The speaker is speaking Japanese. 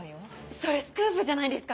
それスクープじゃないですか！